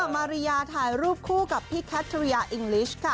มาริยาถ่ายรูปคู่กับพี่แคทริยาอิงลิชค่ะ